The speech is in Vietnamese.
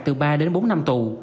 từ ba đến bốn năm tù